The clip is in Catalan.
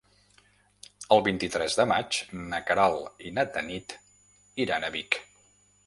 El vint-i-tres de maig na Queralt i na Tanit iran a Vic.